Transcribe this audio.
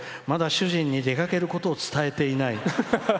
まだ主人に出かけることを伝えていない。